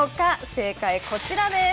正解はこちらです。